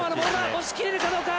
押し切れるか、どうか！